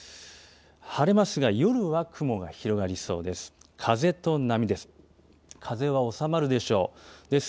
晴れますが、夜は雲が広がりそうです。